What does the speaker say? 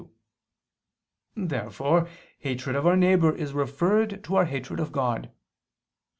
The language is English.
2). Therefore hatred of our neighbor is referred to our hatred of God.